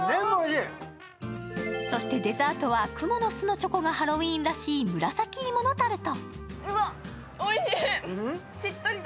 そしてデザートはクモの巣のチョコがハロウィーンらしい紫芋のタルト。